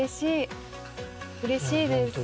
うれしいです。